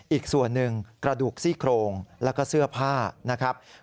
อีกส่วนหนึ่งกระดูกซี่โครงแล้วก็เสื้อผ้านะครับ